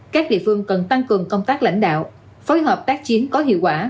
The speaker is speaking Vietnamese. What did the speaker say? các địa phương cần tăng cường công tác lãnh đạo phối hợp tác chiến có hiệu quả